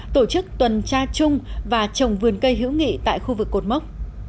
tổ chức tuần tra chung và trồng vườn cây hữu nghị tại khu vực cột mốc